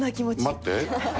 待って。